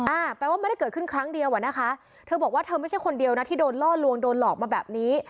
อ่าแปลว่าไม่ได้เกิดขึ้นครั้งเดียวอ่ะนะคะเธอบอกว่าเธอไม่ใช่คนเดียวนะที่โดนล่อลวงโดนหลอกมาแบบนี้